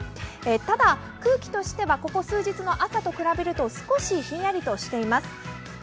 ただ、空気としてはここ数日の朝と比べると少しひんやりとしています。